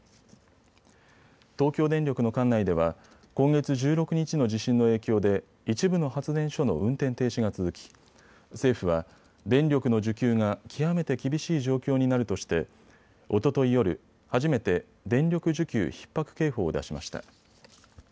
東京電力の管内では今月１６日の地震の影響で一部の発電所の運転停止が続き政府は電力の需給が極めて厳しい状況になるとしておととい夜、初めて電力需給ひっ迫警報を出しました。